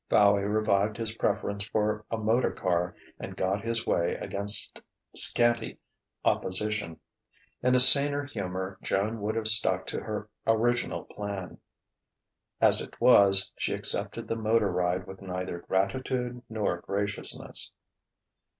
Fowey revived his preference for a motor car, and got his way against scanty opposition. In a saner humour, Joan would have stuck to her original plan. As it was, she accepted the motor ride with neither gratitude nor graciousness.